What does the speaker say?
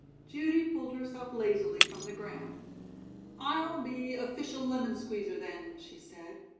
Judy pulled herself lazily from the ground. "I'll be official lemon squeezer, then," she said.